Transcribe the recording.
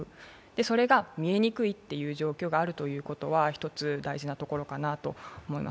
それが見えにくいという状況があるということは１つ、大事なところかなと思います。